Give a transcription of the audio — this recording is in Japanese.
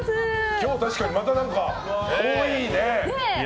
今日、確かにまた多いね。